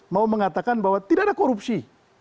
mau mengatakan bahwa tidak ada korupsi